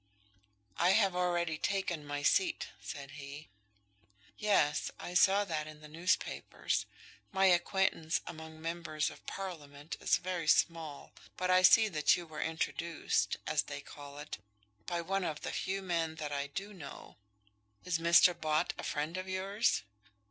"I have already taken my seat," said he. "Yes; I saw that in the newspapers. My acquaintance among Members of Parliament is very small, but I see that you were introduced, as they call it, by one of the few men that I do know. Is Mr. Bott a friend of yours?"